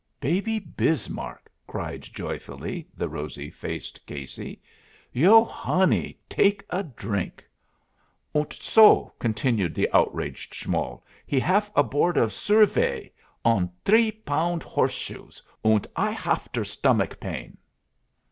"Baby Bismarck!" cried, joyfully, the rosy faced Casey. "Yo hanny, take a drink." "Und so," continued the outraged Schmoll, "he haf a Board of Soorvey on dree pound horseshoes, und I haf der stomach pain."